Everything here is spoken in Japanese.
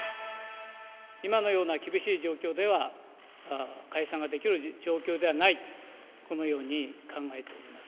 今のような厳しい状況では、解散ができる状況ではないと、このように考えております。